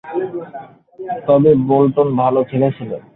তবে, বোল্টন ভালো খেলেছিলেন।